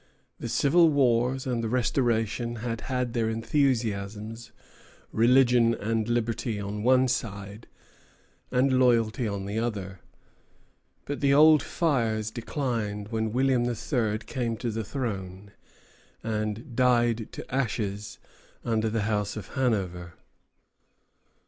The civil wars and the Restoration had had their enthusiasms, religion and liberty on one side, and loyalty on the other; but the old fires declined when William III. came to the throne, and died to ashes under the House of Hanover.